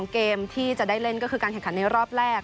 เกมที่จะได้เล่นก็คือการแข่งขันในรอบแรก